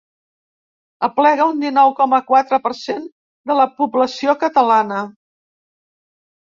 Aplega un dinou coma quatre per cent de la població catalana.